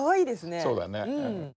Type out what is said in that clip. そうだね。